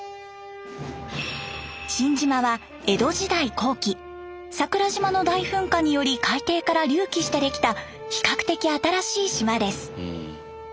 新島は江戸時代後期桜島の大噴火により海底から隆起してできた比較的新しい島です。